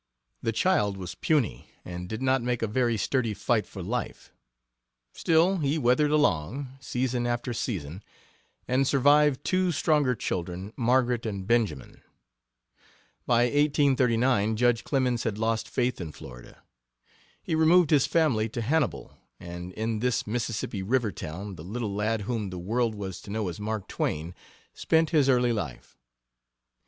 The child was puny, and did not make a very sturdy fight for life. Still he weathered along, season after season, and survived two stronger children, Margaret and Benjamin. By 1839 Judge Clemens had lost faith in Florida. He removed his family to Hannibal, and in this Mississippi River town the little lad whom the world was to know as Mark Twain spent his early life.